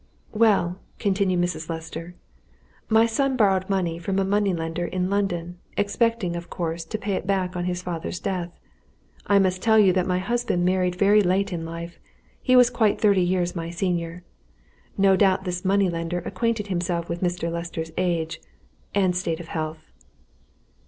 "Well," continued Mrs. Lester, "my son borrowed money from a money lender in London, expecting, of course, to pay it back on his father's death. I must tell you that my husband married very late in life he was quite thirty years my senior. No doubt this money lender acquainted himself with Mr. Lester's age and state of health."